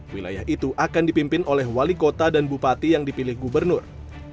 wilayah itu akan dipimpin oleh wali kota dan bupati yang dipilih gubernur